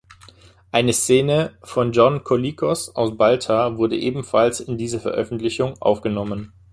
Eine Szene von John Colicos als Baltar wurde ebenfalls in diese Veröffentlichung aufgenommen.